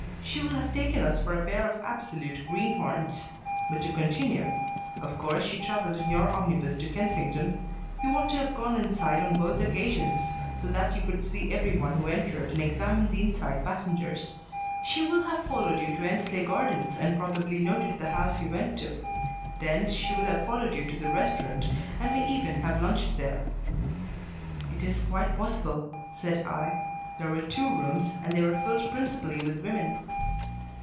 She will have taken us for a pair of absolute greenhorns. But to continue. Of course she travelled in your omnibus to Kensington you ought to have gone inside on both occasions, so that you could see every one who entered and examine the inside passengers; she will have followed you to Endsley Gardens and probably noted the house you went to. Thence she will have followed you to the restaurant and may even have lunched there." "It is quite possible," said I. "There were two rooms and they were filled principally with women."